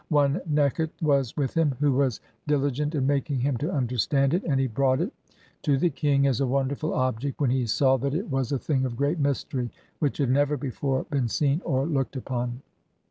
ONE NEKHT(?) WAS WITH HL\r WHO WAS DILIGENT IN MAKING HIM TO UNDERSTAND!?) IT, AND HE BROUGHT IT (5) TO THE KING AS A WONDERFUL OBJECT WHEN HE SAW THAT IT WAS A THING OF GREAT MYSTERY, WHICH HAD NEVER [BEFORE] BEEN SEEN OR LOOKED UPON.